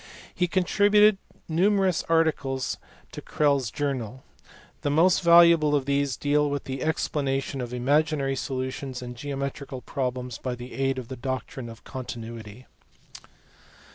He contributed numerous articles to Crelle s journal. The most valuable of these deal with the explanation of imaginary solutions in geometrical problems by the aid of the doctrine of continuity.